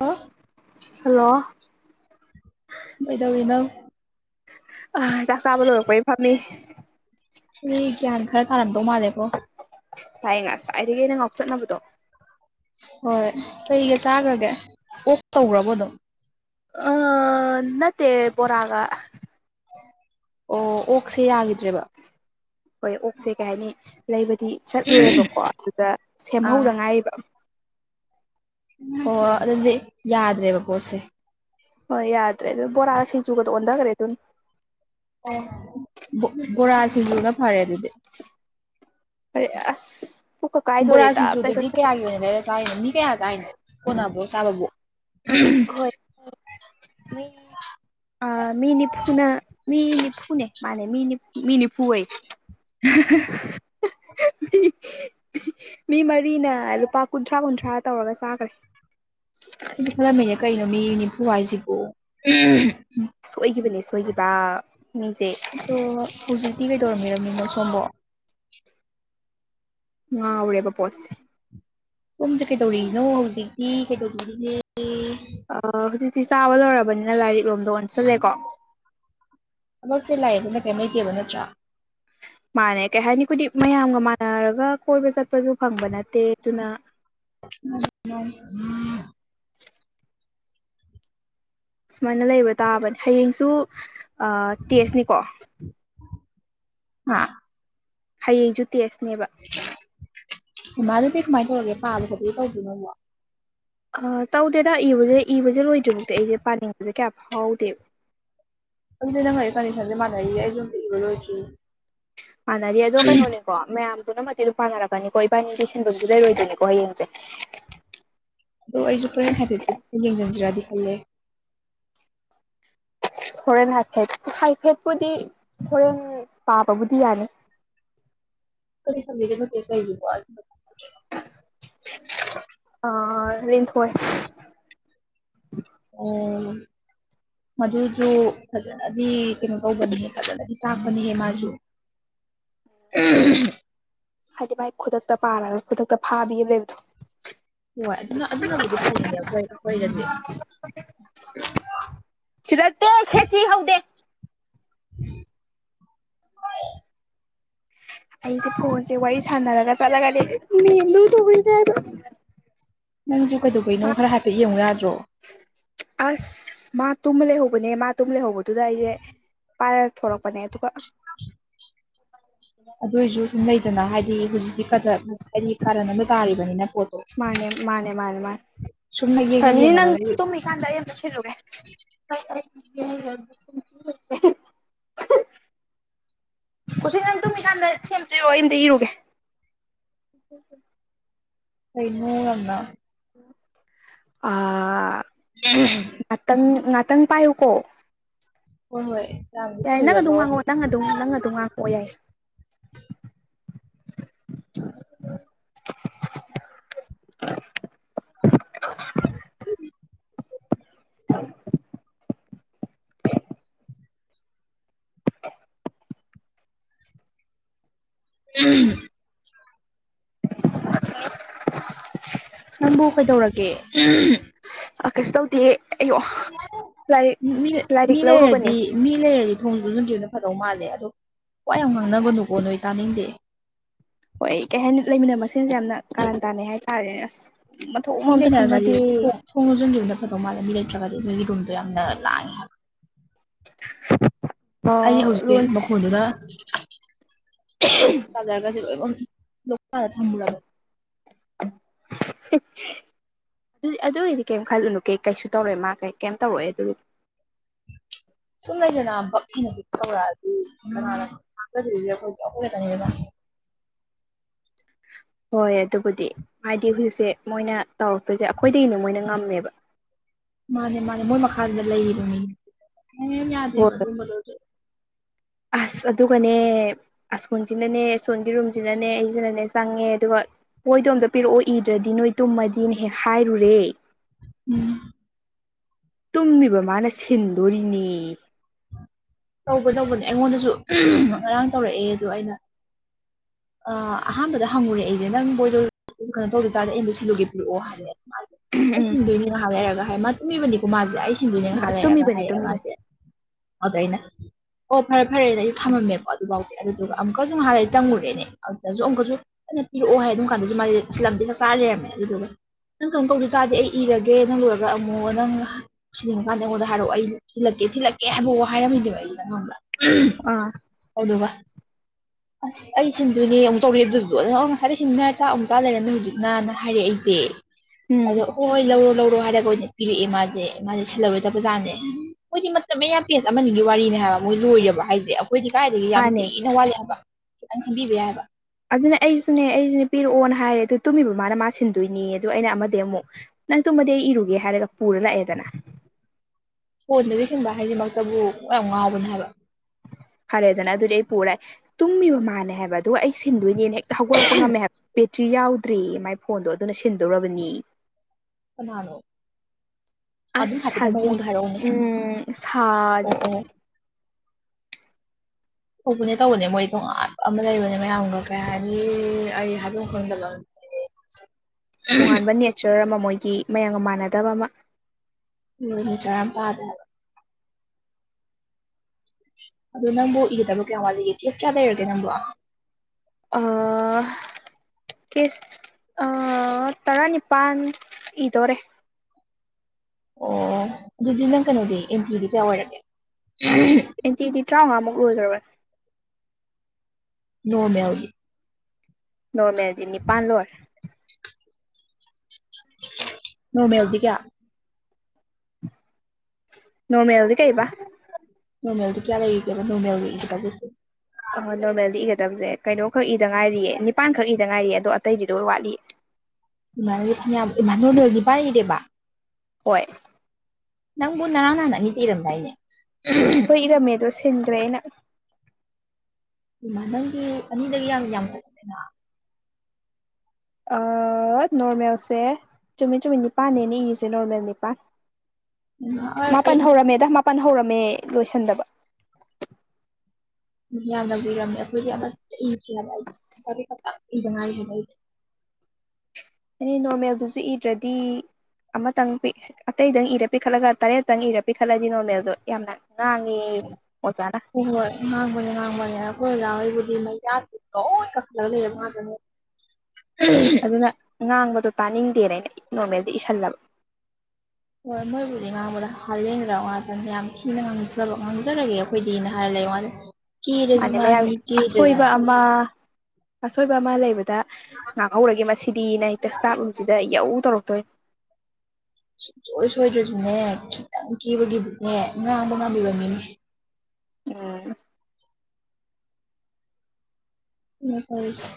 ꯂꯣ hello ꯀꯩꯗꯧꯔꯤꯅꯣ ꯑ ꯆꯥꯛ ꯆꯥꯕ ꯂꯣꯏꯔꯛꯄꯩ ꯐꯝꯃꯤ ꯑꯗꯨꯗꯤ ꯒ꯭ꯌꯥꯟ ꯈꯔ ꯇꯥꯔꯝꯗꯧ ꯃꯥꯜꯂꯦꯕꯣ ꯇꯥꯏ ꯉꯁꯥꯏꯗꯒꯤ ꯑꯩꯅ ꯉꯥꯎꯆꯠꯅꯕꯗꯣ ꯍꯣꯏ ꯀꯩꯒ ꯆꯥꯈ꯭ꯔꯒꯦ ꯑꯣꯛ ꯇꯧꯈ꯭ꯔꯕꯣ ꯑꯗꯨꯝ ꯑꯥ ꯅꯠꯇꯦ ꯕꯣꯔꯥꯒ ꯑꯣ ꯑꯣꯛꯁꯦ ꯌꯥꯒꯤꯗ꯭ꯔꯦꯕ ꯍꯣꯏ ꯑꯣꯛꯁꯦ ꯀꯩ ꯍꯥꯏꯅꯤ ꯂꯩꯕꯗꯤ ꯆꯠꯂꯨꯔꯦꯕꯀꯣ ꯑꯗꯨꯗ ꯑꯥ ꯁꯦꯝꯍꯧꯗ ꯉꯥꯏꯔꯤꯕ ꯍꯣ ꯍꯣ ꯑꯗꯨꯗꯤ ꯌꯥꯗ꯭ꯔꯦꯕ ꯄꯣꯠꯁꯦ ꯍꯣꯏ ꯌꯥꯗ꯭ꯔꯦ ꯑꯗꯨꯝ ꯕꯣꯔꯥ ꯁꯤꯡꯖꯨꯒꯗꯣ ꯑꯣꯟꯊꯒ꯭ꯔꯦ ꯑꯗꯨꯝꯅ ꯕꯣꯔꯥ ꯁꯨꯖꯨꯅ ꯐꯔꯦ ꯑꯗꯨꯗꯤ ꯐꯔꯦ ꯑꯁ ꯄꯨꯛꯀ ꯀꯥꯏꯗꯣꯔꯦ ꯕꯨꯣꯔꯥ ꯇꯥꯞ ꯇꯥꯏ ꯁꯤꯡꯖꯨꯗꯨꯗꯤ ꯆꯥꯁꯤꯜꯂꯒ ꯀꯌꯥꯒꯤ ꯑꯣꯢꯅ ꯂꯩꯔ ꯆꯥꯏꯅꯣ ꯃꯤ ꯀꯌꯥ ꯆꯥꯏꯅꯣ ꯀꯣꯟꯅꯥꯕ꯭ꯔꯣ ꯆꯥꯕꯕꯨ ꯑ ꯃꯤ ꯅꯤꯐꯨꯅ ꯃꯤ ꯅꯤꯐꯨꯅꯦ ꯃꯥꯅꯦ ꯃꯤ ꯅꯤ ꯃꯤ ꯅꯤꯐꯨ ꯑꯌꯦ [inaudible] ꯃꯤ ꯃꯔꯤꯅ ꯂꯨꯄꯥ ꯀꯨꯟꯊ꯭ꯔꯥ ꯀꯨꯟꯊ꯭ꯔꯥ ꯇꯧꯔꯒ ꯆꯥꯒ꯭ꯔꯦ ꯑꯩꯁꯨ ꯈꯜꯂꯝꯃꯤꯅꯦ ꯀꯩꯅꯣ ꯃꯤ ꯅꯤꯐꯨ ꯍꯥꯏꯁꯤꯕꯨ ꯁꯣꯏꯒꯤꯕꯅꯦ ꯁꯣꯏꯒꯤꯕ ꯃꯤꯖꯦ ꯍꯣ ꯍꯣ ꯍꯣ ꯍꯧꯖꯤꯛꯇꯤ ꯀꯩꯗꯧꯔꯝ ꯕꯤꯔꯝꯃꯤꯅꯣ ꯁꯣꯝꯕꯣ ꯉꯥꯎꯔꯦꯕ ꯄꯣꯠꯁꯦ ꯁꯣꯝꯁꯦ ꯀꯩꯗꯧꯔꯤꯅꯣ ꯍꯧꯖꯤꯛꯇꯤ ꯀꯩꯗꯧꯕꯤꯔꯤꯒꯦ ꯑꯥ ꯍꯧꯖꯤꯛꯇꯤ ꯆꯥꯕ ꯂꯣꯏꯔꯕꯅꯤꯅ ꯂꯥꯏꯔꯤꯛ ꯔꯣꯝꯗ ꯑꯣꯟꯁꯜꯂꯦꯀꯣ ꯑꯃꯁꯦ ꯂꯥꯏꯌꯦ [unintelligible] ꯂꯩ ꯀꯩꯏꯝ ꯂꯩꯇꯦꯕ ꯅꯠꯇ꯭ꯔꯥ ꯃꯥꯥꯟꯅꯩ ꯀꯩ ꯍꯥꯏꯅꯤꯈꯗꯤ ꯃꯌꯥꯝꯒ ꯃꯥꯟꯅꯔꯒ ꯀꯣꯏꯕ ꯆꯠꯄꯁꯨ ꯐꯪꯕ ꯅꯠꯇꯦ ꯑꯗꯨꯅ ꯎꯝ ꯁꯨꯃꯥꯏꯅ ꯂꯩꯕ ꯇꯥꯕꯅꯦ ꯍꯌꯦꯡꯁꯨ ꯑꯥ ꯇꯦꯁꯅꯤꯀꯣ ꯍꯥ ꯍꯌꯦꯡꯖꯨ ꯇꯦꯁꯅꯦꯕ ꯏꯃꯥꯗꯨꯗꯤ ꯀꯃꯥꯏꯅ ꯇꯧꯔꯒꯦ ꯄꯥꯕ ꯈꯣꯠ ꯇꯧꯗꯣꯏꯅꯣꯕ ꯑ ꯇꯧꯗꯦꯗ ꯏꯕꯁꯦ ꯏꯕꯁꯦ ꯂꯣꯏꯗ꯭ꯔꯤꯐꯥꯎꯗꯤ ꯑꯩꯁꯦ ꯄꯥꯅꯤꯡꯕꯁꯦ ꯀꯌꯥ ꯐꯥꯎꯗꯦꯕ ꯑꯗꯨꯗꯤ ꯅꯪꯉꯒ ꯑꯩꯒ ꯀꯟꯗꯤꯁꯟꯁꯦ ꯃꯥꯟꯅꯩꯌꯦ ꯑꯩꯁꯨ ꯑꯝꯇ ꯏꯕ ꯂꯣꯏꯗ꯭ꯔꯤꯅꯦ ꯃꯥꯅꯔꯤ ꯑꯗꯣ ꯀꯩꯅꯣꯅꯦ ꯀꯣ ꯃꯌꯥꯝ ꯄꯨꯝꯅꯃꯛꯇ ꯑꯗꯨ ꯄꯥꯟꯅꯔꯛꯀꯅꯤꯀꯣ ꯏꯕꯥꯅꯤꯒꯤ ꯁꯤꯟꯕꯒꯤ ꯂꯩꯔꯣꯏꯗꯣꯏꯅꯦꯀꯣ ꯍꯌꯦꯡꯁꯦ ꯑꯗꯣ ꯑꯩꯁꯨ ꯍꯣꯔꯦꯟ ꯍꯥꯏꯐꯦꯠꯇꯗꯤ ꯌꯦꯡꯁꯤꯟꯖꯤꯔꯗꯤ ꯈꯜꯂꯦ ꯍꯣꯔꯦꯟ ꯍꯥꯏꯐꯦꯠ ꯍꯥꯏꯐꯦꯠꯄꯨꯗꯤ ꯍꯣꯔꯦꯟ ꯄꯥꯕꯕꯨꯗꯤ ꯌꯥꯅꯤ ꯀꯔꯤ ꯁꯕꯖꯦꯛꯀꯤꯅꯣ ꯇꯦꯁ ꯇꯧꯔꯤꯁꯤꯕꯣ [unintelligible] ꯑ ꯔꯤꯡꯊꯣꯏ ꯑꯣ ꯃꯗꯨꯁꯨ ꯐꯖꯅꯗꯤ ꯀꯩꯅꯣ ꯇꯧꯕꯅꯤꯍꯦ ꯐꯖꯅꯗꯤ ꯇꯥꯛꯄꯅꯤ ꯍꯦ ꯃꯥꯖꯨ ꯍꯥꯏꯗꯤ ꯃꯥꯏ ꯈꯨꯗꯛꯇ ꯄꯥꯔꯒ ꯈꯨꯗꯛꯇ ꯐꯥꯕꯤ ꯑꯃ ꯂꯩꯕꯗꯣ ꯍꯣꯏ ꯑꯗꯨꯅ ꯑꯗꯨꯅꯕꯨꯗꯤ ꯐꯔꯤꯅꯦ ꯑꯩꯈꯣꯏ ꯑꯩꯈꯣꯏꯗꯗꯤ ꯁꯤꯗ [unintelligible] ꯑꯩꯁꯦ ꯐꯣꯟꯁꯦ ꯋꯥꯔꯤ ꯁꯥꯟꯅꯔꯒ ꯆꯠꯂꯒꯅꯦ [unintelligible] ꯅꯪꯁꯨ ꯀꯩꯗꯧꯕꯩꯅꯣ ꯈꯔ ꯍꯥꯏꯐꯦꯠ ꯌꯦꯡꯉꯨ ꯌꯥꯗ꯭ꯔꯣ ꯑꯁ ꯃꯥ ꯇꯨꯝꯕ ꯂꯩꯍꯧꯕꯅꯦ ꯃꯥ ꯇꯨꯝ ꯂꯩꯍꯧꯕꯗꯨꯗ ꯑꯩꯁꯦ ꯄꯥꯏꯔ ꯊꯣꯔꯛꯄꯅꯦ ꯑꯗꯨꯒ [inaudible] ꯑꯗꯨ ꯑꯣꯏꯔꯁꯨ ꯁꯨꯝ ꯂꯩꯗꯅ ꯍꯥꯏꯗꯤ ꯍꯧꯖꯤꯛꯇꯤ ꯍꯥꯏꯗꯤ ꯀꯥꯔꯟ ꯑꯃ ꯇꯥꯔꯤꯕꯅꯤꯅ ꯄꯣꯠꯇꯣ ꯃꯥꯅꯦ ꯃꯥꯅꯦ ꯃꯥꯅꯦ ꯃꯥꯅꯦ ꯁꯨꯝ ꯌꯦꯡꯁꯨ ꯁꯖꯤꯅꯤ ꯅꯪ ꯌꯦꯡꯒꯗꯕꯅꯤ ꯇꯨꯝꯃꯤꯀꯥꯟꯗ ꯑꯩ ꯑꯝ ꯁꯤꯜꯂꯨꯒꯦ [unintelligible] ꯈꯨꯁꯤ ꯅꯪ ꯇꯨꯝꯃꯤ ꯏꯀꯥꯟꯗ ꯁꯦꯝꯗꯣꯏꯔꯣ ꯑꯝꯗ ꯏꯔꯨꯒꯦ [inaudible] [unintelligible] ꯑ [unintelligible] ꯉꯥꯛꯇꯪ ꯉꯥꯛꯇꯪ ꯄꯥꯏꯌꯨꯀꯣ ꯍꯣꯏ ꯍꯣꯏ ꯌꯥꯝꯗꯤ ꯌꯥꯏ ꯅꯪ ꯑꯗꯨꯝ ꯀꯨꯏꯔꯅꯣ ꯉꯥꯡꯉꯛꯑꯣ ꯅꯪ ꯑꯗꯨꯝ ꯅꯪ ꯑꯗꯨꯝ ꯉꯥꯡꯉꯛꯑꯣ ꯌꯥꯏ [inaudible] [inaudible] [inaudible] ꯎꯝ ꯅꯪꯕꯨ ꯀꯩꯗꯧꯔꯒꯦ ꯀꯩꯁꯨ ꯇꯧꯗꯦ ꯑꯌꯣ ꯑꯩ ꯂꯥꯏꯔꯤꯛ ꯃꯤ ꯃꯤ ꯂꯥꯏꯔꯤꯛ ꯂꯧꯔꯨꯕꯅꯦ ꯂꯩꯔꯗꯤ ꯃꯤ ꯂꯩꯔꯗꯤ ꯊꯣꯡꯗꯨ ꯂꯣꯟꯖꯟꯒꯤꯕꯅ ꯐꯗꯧ ꯃꯥꯜꯂꯦ ꯑꯗꯣ ꯋꯥ꯭ ꯌꯥꯝ ꯉꯥꯡꯅꯕꯅꯨꯀꯣ ꯅꯣꯏ ꯇꯥꯅꯤꯡꯗꯦ ꯍꯣꯏ ꯀꯩ ꯍꯥꯏꯅꯤ ꯂꯩꯃꯤꯟꯅꯕ ꯃꯁꯤꯡꯁꯦ ꯌꯥꯝꯅ ꯀꯥꯔꯥꯟ ꯇꯥꯅꯩ ꯍꯥꯏꯇꯥꯔꯦꯅꯦ ꯑꯁ ꯃꯊꯧ ꯃꯔꯝ ꯃꯤ ꯑꯝꯇ ꯂꯩꯅꯔꯒꯗꯤ ꯈꯪꯅꯗꯦ ꯊꯣꯡ ꯊꯣꯡ ꯂꯣꯟꯖꯟꯒꯤꯕꯅ ꯐꯗꯧ ꯃꯥꯜꯂꯤ ꯃꯤ ꯂꯩꯇ꯭ꯔꯒꯗꯤ ꯅꯣꯏꯒꯤ ꯔꯨꯝꯗꯣ ꯌꯥꯝꯅ ꯂꯥꯡꯉꯦ ꯍꯥꯏꯕ ꯑꯩꯁꯦ ꯍꯧꯖꯤꯛꯀꯤ ꯂꯣꯟ ꯃꯈꯣꯟꯗꯨꯗ ꯑꯗꯨ ꯆꯖꯔꯒ ꯂ ꯊꯝꯃꯔꯒ ꯑꯗꯨ ꯑꯗꯨꯒꯤꯗꯤ ꯀꯩꯝ ꯈꯜꯂꯨꯅꯨ ꯀꯩ ꯀꯩꯁꯨ ꯇꯧꯔꯦ ꯃꯥ ꯀꯩ ꯀꯩꯝ ꯇꯧꯔꯛꯑꯣꯏ ꯑꯗꯨ ꯁꯨꯝ ꯂꯩꯗꯅ ꯕꯛ ꯊꯅ ꯇꯧꯔꯛꯑꯗꯤꯅ ꯍꯥꯗ꯭ꯔꯤꯁꯦ ꯑꯩꯈꯣꯏꯒꯤꯈꯜꯂꯛꯀꯅꯤꯗꯅ ꯍꯣꯏ ꯑꯗꯨꯕꯨꯗꯤ ꯍꯥꯏꯗꯤ ꯍꯧꯖꯤꯛꯁꯦ ꯃꯣꯏꯅ ꯇꯧꯔꯛꯇꯣꯏꯁꯦ ꯑꯩꯈꯣꯏꯗꯒꯤꯅ ꯃꯣꯏꯅ ꯉꯝꯃꯦꯕ ꯃꯥꯅꯦ ꯃꯥꯅꯦ ꯃꯣꯏ ꯃꯈꯥꯗ ꯂꯩꯔꯤꯕꯅꯤ ꯍꯣꯏ ꯌꯥꯗꯦꯕ ꯑꯗꯨꯒꯨꯝꯕꯗꯣꯁꯨ ꯑꯁ ꯑꯗꯨꯒꯅꯦ ꯑꯁꯣꯝꯁꯤꯅꯅꯦ ꯑꯁꯣꯝꯒꯤ ꯔꯨꯝꯁꯤꯅꯅꯦ ꯑꯩꯁꯤꯅꯅꯦ ꯆꯪꯉꯦ ꯑꯗꯨꯒ ꯃꯣꯏꯗꯣ ꯑꯝ ꯄꯤꯔꯛꯑꯣ ꯏꯗ꯭ꯔꯗꯤ ꯅꯣꯏ ꯇꯨꯝꯃꯗꯤꯅ ꯍꯦꯛ ꯍꯥꯏꯔꯨꯔꯦ ꯎꯝ ꯇꯨꯝꯃꯤꯕ ꯃꯥꯅ ꯁꯤꯟꯗꯣꯔꯤꯅꯤꯌꯦ ꯇꯧꯕ ꯇꯧꯕꯅꯦ ꯑꯩꯉꯣꯟꯗꯁꯨ ꯉꯔꯥꯡ ꯇꯧꯔꯛꯑꯦ ꯑꯗꯣ ꯑꯩꯅ ꯑ ꯑꯍꯥꯟꯕꯗ ꯍꯪꯉꯨꯔꯦ ꯑꯩꯁꯦ ꯅꯪ ꯕꯣꯏꯗꯔ ꯀꯩꯅꯣ ꯇꯧꯗ ꯇꯥꯔꯗꯤ ꯑꯩꯕꯨ ꯁꯤꯜꯂꯨꯒꯦ ꯂꯑꯣ ꯍꯥꯏ ꯑꯗꯨꯃꯥꯏꯗ ꯎꯝ ꯑꯩ ꯁꯤꯟꯗꯣꯏꯅꯤꯍ ꯂꯩꯔꯒ ꯍꯥꯏ ꯇꯨꯝꯃꯤꯕꯅꯤꯀ ꯃꯥꯁꯦ ꯑꯩ ꯁꯤꯡꯗꯨꯅꯦꯍꯥꯟ ꯎꯝ ꯂꯩꯔꯒ ꯇꯨꯝꯃꯤꯕꯅꯦ ꯍꯥꯏꯔꯛꯑꯦ ꯇꯨꯝꯃꯤꯕꯅꯦ ꯃꯥꯁꯦ ꯑꯗꯨꯗ ꯑꯩꯅ ꯑꯣ ꯐꯔꯦ ꯐꯔꯦ ꯑꯗꯨ ꯑꯩꯗꯤ ꯊꯝꯃꯝꯃꯦꯀꯣ ꯑꯗꯨꯐꯥꯎꯗꯤꯦ ꯑꯗꯨꯗꯨꯒ ꯑꯃꯨꯛꯀꯁꯨ ꯅꯥꯟꯋꯥꯩ ꯆꯪꯉꯨꯔꯦꯅꯦ ꯑꯗꯨꯗꯁꯨ ꯑꯃꯨꯛꯀꯁꯨ ꯐꯖꯟꯅ ꯄꯤꯔꯛꯑꯣ ꯍꯥꯏ ꯑꯗꯨꯝ ꯀꯥꯟꯗꯁꯨ ꯃꯥꯁꯦ ꯁꯤꯜꯂꯝꯗꯤ ꯆꯥꯛ ꯆꯆꯥ ꯂꯩꯔꯝꯃꯦ ꯑꯗꯨꯗꯨꯒ ꯅꯪ ꯈꯪ ꯀꯧꯗ ꯇꯥꯔꯗꯤ ꯑꯩ ꯏꯔꯒꯦ ꯅꯪ ꯂꯣꯏꯔꯒ ꯑꯃꯨꯛ ꯅꯪ ꯁꯤꯖꯤꯡꯉꯀꯥꯟꯗ ꯑꯩꯉꯣꯟꯗ ꯍꯥꯏꯔꯛꯑꯣ ꯑꯩ ꯊꯤꯜꯂꯛꯀꯦ ꯊꯤꯜꯂꯛꯀꯦ ꯍꯥꯏꯕꯕꯨ ꯋꯥ ꯍꯥꯏꯔꯝꯃꯤꯗꯦꯕ ꯑꯩ ꯅꯉꯣꯟꯗ ꯑ ꯍꯥꯎꯗ ꯋꯥ ꯑꯁ ꯑꯩ ꯁꯤꯟꯗꯨꯣꯏꯅꯦ ꯑꯃꯨꯛ ꯇꯧꯔꯛꯑꯦ ꯑꯗꯨꯗꯨꯗꯣ ꯑꯗꯨ ꯉꯁꯥꯏꯗ ꯁꯤꯡꯅ ꯆꯥꯛ ꯑꯃꯨꯛ ꯆꯥ ꯂꯩꯔꯝꯃꯦ ꯍꯧꯖꯤꯛꯅꯅ ꯍꯥꯏꯔꯛꯑꯦ ꯑꯩꯁꯦ ꯎꯝ ꯑꯗꯣ ꯍꯣꯏ ꯍꯣꯏ ꯂꯧꯔꯣ ꯂꯧꯔꯣ ꯍꯥꯏꯔꯒ ꯑꯣꯏꯅ ꯄꯤꯔꯛꯑꯦ ꯃꯥꯁꯦ ꯃꯥꯁꯦ ꯁꯜꯍꯧꯔꯗꯕ ꯄ꯭ꯔꯖꯥꯅꯦ ꯃꯣꯏꯗꯤ ꯃꯇꯝ ꯃꯌꯥ ꯄꯦꯁ ꯑꯃꯅꯤ ꯋꯥꯔꯤꯅꯤ ꯍꯥꯏ ꯃꯣꯏ ꯂꯣꯏꯔꯕ ꯍꯥꯏꯁꯦ ꯑꯩꯈꯣꯏꯗꯤ ꯀꯥꯏꯗꯒꯤ ꯌꯥꯝ ꯃꯥꯅꯦ ꯊꯤꯅ ꯋꯥꯠꯂꯦꯕ ꯈꯤꯇꯪ ꯈꯟꯕꯤꯕ ꯌꯥꯏꯑꯕ ꯑꯗꯨꯅ ꯑꯩꯁꯨꯅꯦ ꯑꯩꯁꯨꯅꯦ ꯄꯤꯔꯛꯑꯣꯅ ꯍꯥꯏꯔꯦ ꯑꯗꯨ ꯇꯨꯝꯃꯤꯕ ꯃꯥꯅ ꯃꯥ ꯁꯤꯟꯗꯣꯏꯅꯤ ꯑꯗꯨ ꯑꯩꯅ ꯑꯃꯗꯤ ꯑꯃꯨꯛ ꯅꯪ ꯇꯣꯃꯗꯤ ꯑꯩ ꯏꯔꯨꯒꯦ ꯍꯥꯏꯔꯒ ꯄꯨꯔ ꯂꯥꯛꯑꯦꯗꯅ ꯍꯣꯟꯕꯅ ꯍꯤꯡꯕ ꯍꯥꯏꯁꯤꯃꯛꯇꯕꯨ ꯌꯥꯝ ꯉꯥꯎꯕꯅꯦ ꯍꯥꯏꯕ ꯐꯔꯦꯗꯅ ꯑꯗꯨꯗꯤ ꯑꯩ ꯄꯨꯔꯦ ꯇꯨꯝꯃꯤꯕ ꯃꯥꯜꯅꯦ ꯍꯥꯏꯕ ꯑꯗꯨꯒ ꯑꯩꯁꯦ ꯁꯤꯟꯗꯣꯏꯅꯦꯅ ꯍꯦꯛꯇ ꯍꯧꯒꯠꯂꯛꯄ ꯉꯝꯃꯦ ꯍꯥꯏꯕ ꯕꯦꯇ꯭ꯔꯤ ꯌꯥꯎꯗꯦ ꯃꯥꯏ ꯐꯣꯟꯗꯣ ꯑꯗꯨꯅ ꯁꯤꯟꯗꯧꯔꯕꯅꯤ ꯅꯥ ꯂꯣ ꯑꯗꯨꯝ ꯑꯁ ꯍꯥꯏꯐꯦꯠꯇꯪ ꯁꯥꯖꯤ ꯃꯑꯣꯡꯗ ꯍꯥꯏꯔꯛꯎꯅꯦ ꯎꯝ ꯑꯣ ꯁꯥꯁ ꯑꯣ ꯊꯣꯛꯄꯅꯦ ꯇꯧꯕꯅꯦ ꯃꯣꯏ ꯇꯣꯉꯥꯟ ꯑꯃ ꯂꯩꯕꯅꯦ ꯃꯌꯥꯝꯒ ꯀꯩ ꯍꯥꯏꯅꯤ ꯑꯩ ꯍꯥꯏꯕꯐꯝ ꯈꯪꯗ ꯑꯣ ꯇꯣꯉꯥꯟꯕ ꯅꯦꯆꯔ ꯑꯃ ꯃꯣꯏꯒꯤ ꯃꯌꯥꯝꯒ ꯃꯥꯟꯅꯗꯕ ꯑꯃ ꯎꯁꯨꯔ ꯌꯥꯝ ꯄꯥꯗ ꯑꯗꯣ ꯅꯪꯕꯨ ꯏꯒꯗꯕ ꯀꯌꯥ ꯋꯥꯠꯂꯤꯒꯦ ꯀꯦꯁ ꯀꯌꯥ ꯂꯩꯔꯒꯦ ꯅꯪꯕꯨ ꯑ ꯀꯦꯁ ꯇꯔꯥꯅꯤꯄꯥꯜ ꯏꯗꯣꯔꯦ ꯑꯣ ꯑꯗꯨꯗꯤ ꯅꯪ ꯀꯩꯅꯣꯗꯤ ꯑꯦꯟꯇꯤꯗꯤ ꯀꯌꯥ ꯑꯣꯏꯔꯛꯒꯦ ꯑꯦꯟꯇꯤꯗꯤ ꯇꯔꯥꯃꯉꯃꯨꯛ ꯂꯣꯏꯖꯔꯣꯏ ꯅꯣꯔꯃꯦꯜꯅꯤ ꯅꯣꯔꯃꯦꯜꯗꯤ ꯅꯤꯄꯥꯟ ꯂꯣꯏꯔꯦ ꯅꯣꯡꯃꯦ ꯑꯣꯗꯤ ꯀꯌꯥ ꯅꯣꯔꯃꯦꯜꯗꯤ ꯀꯩꯕ ꯅꯣꯔꯃꯦꯜꯗꯤ ꯀꯌꯥ ꯂꯩꯔꯤꯒꯦꯕ ꯅꯣꯔꯃꯦꯜꯒꯤ ꯏꯒ ꯇꯧꯁꯦ ꯑꯍꯣ ꯅꯣꯔꯃꯦꯗꯤ ꯏꯒꯗꯕꯁꯦ ꯀꯩꯅꯣ ꯈꯛ ꯏꯗ ꯉꯥꯏꯔꯤꯌꯦ ꯅꯤꯄꯥꯟꯈꯛ ꯏꯗ ꯉꯥꯏꯔꯤꯌꯦ ꯑꯗꯣ ꯑꯇꯩꯗꯤꯗꯣꯏ ꯋꯥꯠꯂꯤ ꯏꯃꯅꯌꯥꯝ ꯏꯃꯥꯟꯅꯕꯣꯔ ꯂꯦꯜꯗꯤ ꯄꯥꯏ ꯂꯩꯔꯦꯕ ꯍꯣꯏ ꯅꯪꯕꯨ ꯅꯔꯥꯟ ꯅꯍꯥꯟ ꯑꯅꯤ ꯇꯤꯔꯝꯗꯥꯏꯅꯦ ꯍꯣꯏ ꯏꯔꯝꯃꯦꯗꯣ ꯁꯤꯟꯗ꯭ꯔꯦ ꯑꯩꯅ ꯏꯃ ꯅꯪꯒꯤ ꯑꯅꯤꯗꯒꯤ ꯌꯥꯝ ꯌꯥꯝ ꯀ ꯑ ꯅꯣꯔꯃꯦꯜꯁꯦ ꯆꯨꯝꯃꯤ ꯆꯨꯝꯃꯤ ꯅꯤꯄꯥꯜꯅꯦ ꯑꯩꯅ ꯏꯁꯦ ꯅꯣꯔꯃꯦꯜ ꯅꯤꯄꯥꯥꯟ ꯍꯣꯏ ꯃꯥꯄꯜ ꯑꯩ ꯍꯧꯔꯝꯃꯦꯗ ꯃꯥꯄꯜ ꯍꯧꯔꯝꯃꯦ ꯂꯣꯏꯁꯟꯗꯕ ꯌꯥ ꯂꯧꯕꯤꯔꯝꯃꯦ ꯑꯩꯈꯣꯏꯗꯤ ꯑꯃꯠꯇ ꯏꯈꯤ꯭ꯔꯦꯕ ꯑꯩ ꯏꯗꯉꯥꯏꯔꯤꯕꯅꯦ ꯑꯩꯗꯤ ꯑꯦꯅꯦ ꯅꯣꯔꯃꯦꯜꯗꯨꯁꯨ ꯏꯗ꯭ꯔꯗꯤ ꯑꯃꯇꯪ ꯄ ꯑꯇꯩꯗꯪ ꯏꯔ ꯄꯤꯛꯈꯠꯂꯒ ꯇꯔꯦꯠꯇꯪ ꯏꯔ ꯄꯤꯈꯠꯂꯗꯤ ꯅꯣꯔꯃꯦꯜꯗꯣ ꯌꯥꯝꯅ ꯅꯪꯒꯤ ꯑꯣꯖꯔ ꯍꯣꯏ ꯍꯣꯏ ꯉꯥꯡꯕꯅꯦ ꯉꯥꯡꯕꯅꯦ ꯑꯩꯈꯣꯏ ꯑꯣꯖꯥ ꯍꯣꯏꯕꯨꯗꯤ ꯃꯩ ꯆꯥꯠꯇꯤ ꯂꯣꯏꯅ ꯀꯛꯈꯠꯂꯒ ꯂꯩꯔꯕ ꯃꯥꯥꯗꯨꯅꯦ [unintelligible] ꯑꯗꯨꯅ ꯉꯥꯡꯕꯗꯣ ꯇꯥꯅꯤꯡꯗꯦꯅ ꯑꯩꯅ ꯅꯣꯔꯃꯦꯜꯗꯤ ꯏꯁꯁꯤꯜꯂꯕ ꯍꯣꯏ ꯃꯣꯏꯕꯨꯗꯤ ꯉꯥꯡꯕꯗ ꯍꯥꯂꯦꯟꯗ꯭ꯔ ꯉꯇ ꯌꯥꯝ ꯊꯤꯅ ꯉꯖꯕ ꯉꯥꯡꯖꯔꯒꯦꯣ ꯑꯩꯈꯣꯏꯗꯤꯅ ꯍꯥꯏꯔ ꯂꯩꯉꯜꯗꯦ ꯃꯥꯅꯦ ꯃꯌꯥꯝꯒꯤ ꯑꯁꯣꯏꯕ ꯑꯃ ꯑꯁꯣꯏꯕ ꯑꯃ ꯂꯩꯕꯗ ꯉꯥꯡꯍꯧꯔꯒꯦ ꯃꯁꯤꯗꯤ ꯅ ꯇꯦꯛꯁꯇꯥꯠ ꯔꯨꯝꯁꯤꯗ ꯌꯧ ꯇꯧꯔꯛꯇꯣꯏ ꯁꯨꯡꯁꯣꯏ ꯁꯣꯏꯗ꯭ꯔꯁꯤꯅꯦ ꯈꯤꯇꯪ ꯀꯦꯕꯒꯤꯐꯧꯅꯦ ꯉꯥꯡꯕ ꯉꯝꯃꯤꯕ ꯃꯤꯅꯦ ꯎꯝ ꯎ ꯇꯧꯔꯣꯏꯁꯤ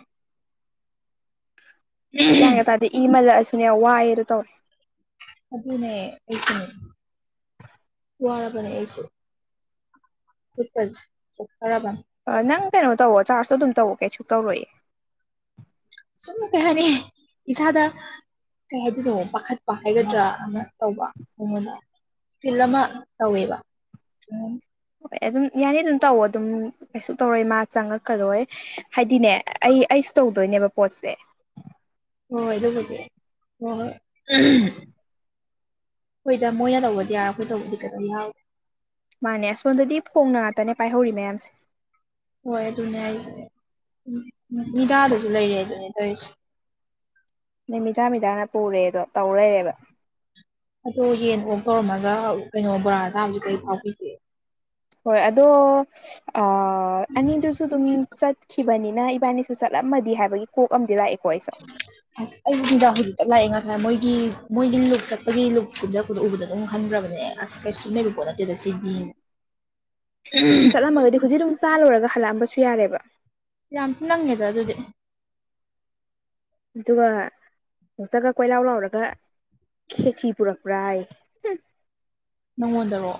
ꯏꯁꯀꯦꯟꯒ ꯇꯥꯔꯗꯤ ꯏ ꯃꯥꯜꯂꯛꯑꯁꯨꯅꯦ ꯋꯥꯏꯑꯗꯣ ꯇꯧꯔꯦ ꯑꯗꯨꯅꯦ ꯑꯩꯁꯨꯅꯦ ꯋꯥꯔꯕꯅꯦ ꯑꯩꯁꯨ ꯈꯨꯠꯀꯖꯦ ꯆꯣꯛꯊꯔꯕꯅꯦ ꯅꯪ ꯀꯩꯅꯣ ꯇꯧꯋꯣ ꯆꯥꯔꯖꯇꯣ ꯑꯗꯨꯝ ꯇꯧꯑꯣ ꯀꯩꯁꯨ ꯇꯧꯔꯣꯏꯑꯦ ꯁꯨꯝ ꯀꯩ ꯍꯥꯏꯅꯤ ꯏꯁꯥꯗ ꯀꯩ ꯍꯥꯏꯗꯣꯏꯅꯣ ꯄꯥꯈꯠꯄ ꯍꯥꯏꯒꯗ꯭ꯔꯥ ꯑꯃ ꯇꯧꯕ ꯃꯉꯣꯟꯗ ꯇꯤꯜ ꯑꯃ ꯇꯧꯋꯦꯕ ꯎꯝ ꯍ ꯑꯗꯨꯝ ꯌꯥꯅꯤ ꯑꯗꯨꯝ ꯇꯧ ꯑꯗꯨꯝ ꯀꯩꯁꯨ ꯇꯧꯔꯣꯏ ꯃꯥ ꯆꯪꯉꯛꯀꯗꯣꯏꯔꯦ ꯍꯥꯏꯗꯤꯅꯦ ꯑꯩ ꯑꯩꯁꯨ ꯇꯧꯗꯣꯏꯅꯦꯕ ꯄꯣꯠꯁꯦ ꯍꯣꯏ ꯑꯗꯨꯕꯨꯗꯤ ꯍꯣꯏ ꯍꯣꯏ ꯍꯣꯏꯗ ꯃꯣꯏꯅ ꯇꯧꯕꯗꯤ ꯌꯥꯔ ꯑꯩꯈꯣꯏ ꯇꯧꯕꯗꯤ ꯀꯩꯗꯧ ꯌꯥꯔꯣꯏꯗꯣꯏ ꯃꯥꯅꯦ ꯁꯁꯣꯝꯗꯗꯤ ꯐꯣꯡꯅ ꯉꯥꯛꯇꯅꯦ ꯄꯥꯏꯍꯧꯔꯤ ꯃꯌꯥꯝꯁꯦ ꯍꯣꯏ ꯑꯗꯨꯅꯦ ꯍꯥꯏꯁꯦ ꯎ ꯃꯤꯗꯥꯗꯁꯨ ꯂꯩꯔꯦ ꯑꯗꯨꯅꯦ ꯇꯩꯔꯤꯁꯦ ꯅꯨꯃꯤꯗꯥ ꯃꯤꯗꯥꯅ ꯄꯨꯔꯦꯗꯣ ꯇꯧ ꯂꯩꯔꯦꯕ ꯑꯗꯣ ꯌꯦꯟ ꯑꯣꯛ ꯇꯧꯔꯝꯃꯒ ꯀꯩꯅꯣ ꯕꯣꯔꯥꯗ ꯆꯥꯕꯖꯤ ꯀꯩ ꯐꯥꯎꯕꯤꯒꯦ ꯍꯣꯏ ꯑꯗꯣ ꯑ ꯑꯅꯤꯗꯨꯁꯨ ꯑꯗꯨꯝ ꯆꯠꯈꯤꯕꯅꯤꯅ ꯏꯕꯥꯅꯤ ꯁꯨ ꯆꯠꯂꯝꯃꯗꯤ ꯍꯥꯏꯕꯒꯤ ꯀꯣꯛ ꯑꯃꯗꯤ ꯂꯥꯛꯑꯦꯀꯣ ꯑꯩꯁꯨ ꯎ ꯑꯁ ꯑꯩ ꯍꯗ ꯍꯧꯖꯤꯛꯇ ꯂꯥꯛꯑꯦ ꯉꯁꯥꯏ ꯃꯣꯏꯒꯤ ꯃꯣꯏꯒꯤ ꯂꯨꯞ ꯆꯠꯄꯒꯤ ꯂꯨꯞ ꯈꯨꯝꯖꯔꯛꯄꯗꯣ ꯎꯕꯗ ꯑꯗꯨꯝ ꯍꯟꯗ꯭ꯔꯕꯅꯦ ꯑꯁ ꯀꯩꯁꯨ ꯂꯩꯕ ꯄꯣꯠ ꯅꯠꯇꯦꯗ ꯁꯤꯗꯤ ꯆꯠꯂꯝꯃꯒꯗꯤ ꯍꯧꯖꯤꯛ ꯑꯗꯨꯝ ꯆꯥꯂꯨꯔꯒ ꯍꯜꯂꯛꯑꯝꯕꯁꯨ ꯌꯥꯔꯦꯕ ꯌꯥꯝꯆ ꯅꯪꯉꯦ ꯇ ꯑꯗꯨꯗꯤ ꯑꯗꯨꯒ ꯍꯧꯖꯤꯛꯇꯒ ꯀꯣꯏꯂꯥꯎ ꯂꯥꯎꯔꯒ ꯈꯦꯁꯤ ꯄꯨꯔꯛꯄ꯭ꯔꯥ ꯌꯦ ꯅꯪꯉꯣꯟꯗꫪꯣ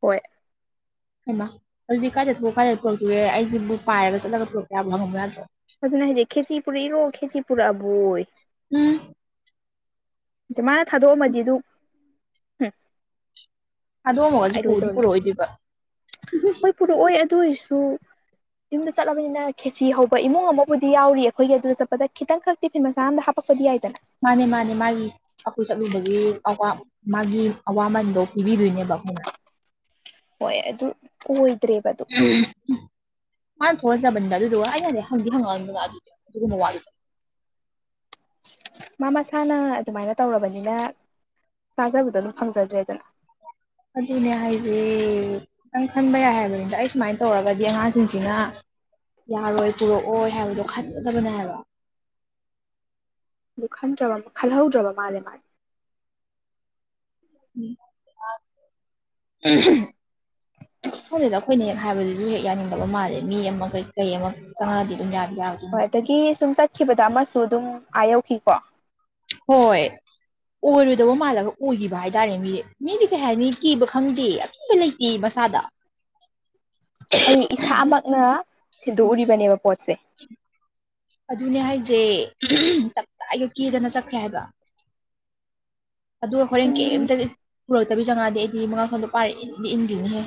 ꯍꯣꯏ ꯍꯥꯏꯃ ꯑꯗꯨꯗꯤ ꯀꯥꯏꯗ ꯊꯣꯛꯑꯑꯣ ꯀꯥꯏꯗ ꯄꯨꯔꯛꯇꯣꯏꯒꯦ ꯑꯩꯁꯤꯕꯨꯛ ꯄꯥꯏꯔ ꯆꯠꯂꯒ ꯄꯨꯔꯛꯄ ꯌꯥꯕ ꯍꯪꯉꯕ ꯌꯥꯗ꯭ꯔꯣ ꯑꯗꯨꯅ ꯍꯥꯏꯁꯦ ꯈꯦꯆꯤ ꯄꯨꯔꯛ ꯏꯔꯣ ꯈꯦꯆꯤ ꯄꯨꯔꯛꯑꯕꯣꯌꯦ ꯎꯝ ꯑ ꯃꯥꯅ ꯊꯥꯗꯣꯛꯑꯝꯃꯗꯤ ꯑꯗꯨ ꯎꯝ ꯊꯥꯗꯣꯛꯑꯝꯃꯒꯁꯨ ꯄꯨꯗꯤ ꯅꯨꯡꯉꯥꯏꯔꯣꯏꯗꯧꯅꯤ ꯄꯨꯔꯛꯑꯣꯗꯣꯏꯕ ꯍꯣꯏ ꯄꯨꯔꯛꯑꯣꯏ ꯑꯗꯨ ꯑꯣꯏꯁꯨ ꯌꯨꯝꯗ ꯆꯠꯂꯕꯅꯤꯅ ꯈꯦꯁꯤ ꯍꯧꯕ ꯏꯃꯨꯡ ꯑꯃꯕꯨꯗꯤ ꯌꯥꯎꯔꯤꯌꯦ ꯑꯩꯈꯣꯏꯒꯤ ꯑꯗꯨꯗ ꯆꯠꯄꯗ ꯈꯤꯇꯪꯈꯛ ꯇꯤꯐꯤꯟ ꯃꯆꯥ ꯑꯃꯥꯗ ꯍꯥꯄꯛꯄꯗꯤ ꯌꯥꯏꯗꯅ ꯃꯥꯅꯦ ꯃꯥꯅꯦ ꯃꯥꯒꯤ ꯑꯈꯣꯏ ꯆꯠꯂꯨꯕꯒꯤ ꯑꯋꯥ ꯃꯥꯒꯤ ꯑꯋꯥꯃꯟꯗꯣ ꯄꯤꯕꯤꯗꯣꯏꯅꯦꯕ ꯑꯩꯈꯣꯏꯅ ꯍꯣꯏ ꯑꯗꯨ ꯑꯣꯏꯗ꯭ꯔꯦꯕꯗꯣ ꯃꯥꯅ ꯊꯣꯛꯍꯟꯖꯕꯅꯤꯗ ꯑꯗꯨꯗꯨꯒ ꯑꯩꯩꯅꯅꯦ ꯍꯪꯗꯤ ꯍꯪꯉꯛ ꯑꯅꯨꯗꯅ ꯑꯗꯨꯗꯤ ꯑꯗꯨꯒꯨꯝꯕ ꯋꯥꯗꯨꯗꯤ ꯃꯥ ꯃꯁꯥꯅ ꯑꯗꯨꯃꯥꯏꯅ ꯇꯧꯔꯕꯅꯤꯅ ꯇꯥꯖꯕꯗꯣ ꯑꯗꯨꯝ ꯐꯪꯖꯗ꯭ꯔꯦꯗꯅ ꯑꯗꯨꯅꯦ ꯍꯥꯏꯖꯦ ꯈꯤꯇꯪ ꯈꯟꯕ ꯌꯥꯏ ꯍꯥꯏꯕꯅꯤꯗ ꯑꯩ ꯁꯨꯃꯥꯏꯅ ꯇꯧꯔꯒꯗꯤ ꯑꯉꯥꯡꯁꯤꯡꯁꯤꯅ ꯌꯥꯔꯣꯏ ꯄꯨꯔꯛꯑꯣꯏ ꯍꯥꯏꯕꯗꯣ ꯈꯟꯒꯗꯕꯅꯦꯕ ꯍꯥꯏꯕ ꯑꯗꯨ ꯈꯟꯗ꯭ꯔꯕ ꯈꯜꯍꯧꯗ꯭ꯔꯕ ꯃꯥꯜꯂꯦ ꯃꯥꯅꯦ ꯎꯝ [unintelligible] ꯑꯩꯈꯣꯏꯅ ꯍꯦꯛ ꯍꯥꯏꯕꯗꯁꯨ ꯍꯦꯛ ꯍꯦꯛ ꯌꯥꯅꯤꯡꯗꯕ ꯃꯥꯜꯂꯦ ꯃꯤ ꯑꯃ ꯀꯩ ꯀꯩ ꯑꯃ ꯆꯪꯉꯛꯑꯗꯤ ꯑꯗꯨꯝ ꯌꯥꯕ ꯌꯥꯕ ꯍꯣꯏ ꯑꯗꯒꯤ ꯁꯨꯝ ꯆꯠꯈꯤꯕꯗ ꯑꯃꯁꯨ ꯑꯗꯨꯝ ꯑꯥ ꯌꯧꯈꯤꯀꯣ ꯍꯣꯏ ꯑꯣꯏꯔꯣꯏꯗꯕ ꯃꯥꯜꯂꯒ ꯑꯣꯏꯈꯤꯕ ꯍꯥꯏꯇꯥꯔꯦ ꯃꯤꯗꯤ ꯃꯤꯗꯤ ꯀꯩ ꯍꯥꯏꯅꯤ ꯀꯤꯕ ꯈꯪꯗꯦ ꯑꯀꯤꯕꯥ ꯂꯩꯇ ꯃꯁꯥꯗ ꯑꯩ ꯏꯁꯥꯃꯛꯅ ꯊꯤꯟꯗꯣꯛꯎꯔꯤꯕꯅꯦꯕ ꯄꯣꯠꯁꯦ ꯑꯗꯨꯅꯦ ꯍꯥꯏꯁꯦ ꯎꯝ ꯇꯞꯇꯥꯏꯒ ꯀꯦꯗꯅ ꯆꯠꯈ꯭ꯔꯦ ꯍꯥꯏꯕ ꯑꯗꯣ ꯍꯣꯔꯦꯟ ꯀꯝꯇꯒ ꯄꯨꯔꯛꯇꯕꯤ ꯆꯪꯉꯛꯑꯗꯤ ꯑꯩꯗꯤ ꯃꯉꯛꯁꯝꯗꯣ ꯄꯥꯏꯔꯒ ꯏꯟꯗꯤ ꯏꯟꯒꯤꯅꯤꯍꯦ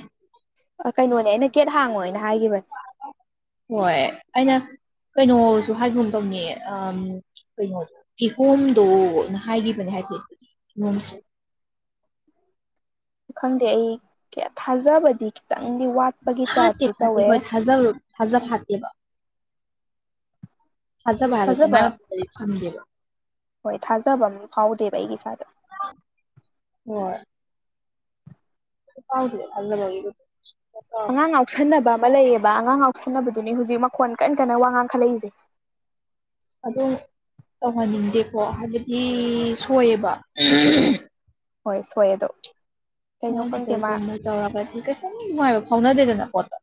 ꯑꯥ ꯀꯩꯅꯣꯅꯦ ꯑꯩꯅ ꯒꯦꯠ ꯍꯥꯡꯉꯣꯏꯅ ꯍꯥꯏꯒꯤꯕꯅꯦ ꯍꯣꯏ ꯑꯩꯅ ꯀꯩꯅꯣꯁꯨ ꯍꯥꯏꯒꯨꯝ ꯇꯧꯅꯦ ꯑꯝ ꯀꯩꯅꯣ ꯀꯤꯍꯣꯝꯗꯣꯅ ꯍꯥꯏꯒꯤꯕꯅꯦ ꯍꯥꯏꯗꯤ ꯅꯣꯡꯁꯨ ꯈꯪꯗꯦ ꯑꯩ ꯊꯥꯖꯕꯗꯤ ꯈꯤꯇꯪꯗꯤ ꯋꯥꯠꯄꯒꯤ ꯐꯥꯠꯇꯦ ꯇꯥꯞꯇꯤ ꯇꯧꯋꯦ [unintelligible] ꯊꯥꯖ ꯐꯥꯠꯇꯦꯕ ꯊꯥꯖꯕ ꯍꯥꯏꯕꯁꯦ ꯃꯥꯏ ꯃꯐꯝꯗꯗꯤ ꯊꯝꯗꯦꯕ ꯍꯣꯏ ꯊꯥꯖꯕ ꯑꯃꯝ ꯐꯥꯎꯗꯦꯕ ꯑꯩꯒꯤ ꯏꯁꯥꯗ ꯍꯣꯏ [unintelligible] ꯑꯉꯥꯡ ꯉꯥꯎꯁꯟꯅꯕ ꯑꯃ ꯂꯩꯌꯦꯕ ꯑꯉꯥꯡ ꯉꯥꯎꯁꯟꯅꯕꯗꯨꯅꯤ ꯍꯧꯖꯤꯛ ꯃꯈꯣꯟ ꯀꯟ ꯀꯟꯅ ꯋꯥ ꯉꯥꯡꯈꯠꯂꯛꯏꯁꯦ ꯑꯗꯨꯝ ꯇꯧꯍꯟꯅꯤꯡꯗꯦꯀꯣ ꯍꯥꯏꯕꯗꯤ ꯁꯣꯏꯌꯦꯕ ꯍꯣꯏ ꯁꯣꯏ ꯑꯗꯣ ꯀꯩꯅꯣ ꯈꯪꯗꯦ ꯃꯥ [unintelligible] ꯇꯧꯔꯒꯗꯤ ꯀꯩꯁꯨꯝ ꯅꯨꯡꯉꯥꯏꯕꯥ ꯐꯥꯎꯅꯗꯦꯗꯅ ꯄꯣꯠꯇꯣ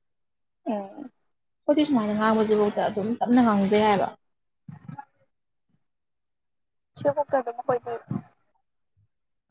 ꯎꯝ ꯈꯣꯢꯗꯤ ꯁꯨꯃꯥꯏꯅ ꯉꯥꯡꯕꯁꯤꯐꯥꯎꯗ ꯑꯗꯨꯝ ꯇꯞꯅ ꯉꯥꯡꯖꯩ ꯍꯥꯏꯕ ꯁꯤꯕꯣꯛꯇ ꯑꯗꯨꯝ ꯑꯩꯈꯣꯢꯗ